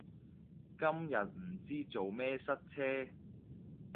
今日唔知做咩塞車